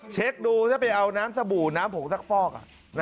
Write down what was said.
เช็คดูถ้าไปเอาน้ำสบู่น้ำผงซักฟอก